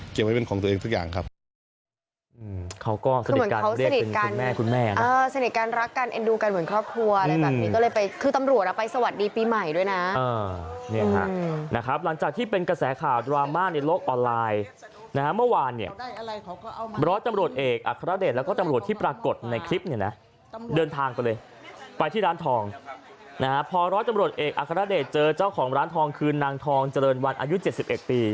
ไว้เป็นของตัวเองทุกอย่างครับ